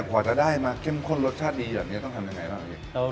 กว่าจะได้มาเข้มข้นรสชาติดีแบบนี้ต้องทำยังไงบ้างพี่